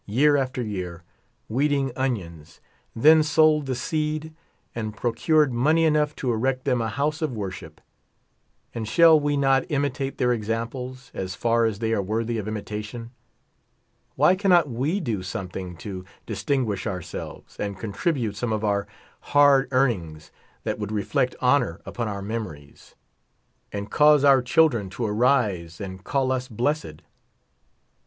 year after year, weeding onions, then sold the seed and procured money enough to erect them a house of worship ; and shall we not imitate their examples, as far as they are worthy of imitation? Why cannot we do something to distinguish ourselves, and contribute some of our hard earnings that would reflect honor upon our memories, and cause our children to arise and call us blessed?